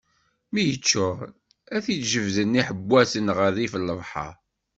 Mi yeččuṛ, ad t-id-jebden iḥewwaten ɣer rrif n lebḥeṛ.